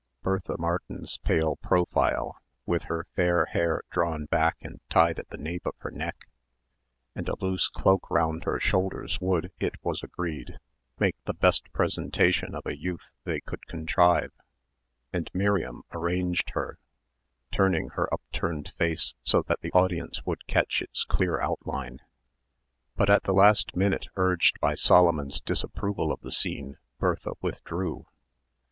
Bertha Martin's pale profile, with her fair hair drawn back and tied at the nape of her neck and a loose cloak round her shoulders would, it was agreed, make the best presentation of a youth they could contrive, and Miriam arranged her, turning her upturned face so that the audience would catch its clear outline. But at the last minute, urged by Solomon's disapproval of the scene, Bertha withdrew.